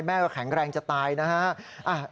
แม่ก็แข็งแรงจะตายนะฮะ